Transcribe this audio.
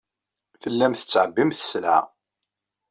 Tellamt tettɛebbimt sselɛa.